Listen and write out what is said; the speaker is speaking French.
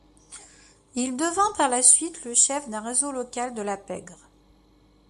Il devint par la suite le chef d'un réseau local de la pègre.